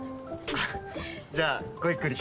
あっじゃあごゆっくり。